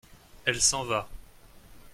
Elle s’en va.